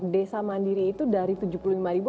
desa mandiri itu dari tujuh puluh lima ribu